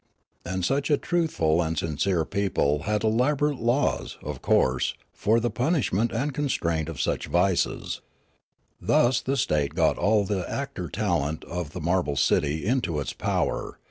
And such a truthful and sincere people had elaborate laws, of course, for the punishment and constraint of such vices. Thus the state got all the actor talent of the marble city into its power.